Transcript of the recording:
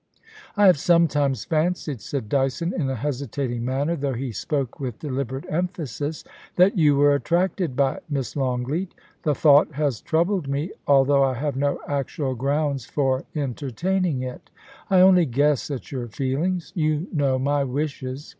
* I have sometimes fancied,* said Dyson in a hesitating manner, though he spoke with deliberate emphasis, * that you were attracted by Miss Longleat. The thought has troubled me, although I have no actual grounds for enter taining it. I only guess at your feelings. You know my wishes.